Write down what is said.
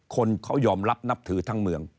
คนเขายอมรับนับถือทั้งเมือง